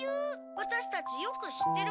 ワタシたちよく知ってるから。